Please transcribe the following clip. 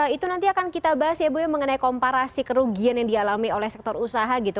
itu nanti akan kita bahas ya bu ya mengenai komparasi kerugian yang dialami oleh sektor usaha gitu